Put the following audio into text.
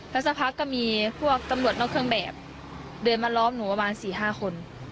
แล้วสักพักก็มีพวกตำรวจนอกเครื่องแบบเดินมาล้อมหนูประมาณ๔๕คน